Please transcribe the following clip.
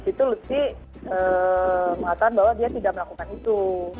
di situ lutfi mengatakan bahwa dia tidak melakukan itu